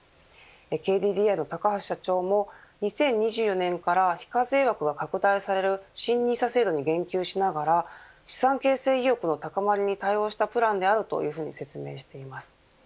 ＫＤＤＩの高橋社長も２０２４年から非課税枠が拡大される新ＮＩＳＡ制度に言及しながら資産形成意欲の高まりに対応したプランであるというふうに説明しています。